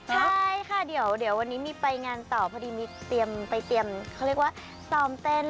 ใช่ค่ะเดี๋ยววันนี้มีไปงานต่อพอดีมีเตรียมไปเตรียมเขาเรียกว่าซ้อมเต้น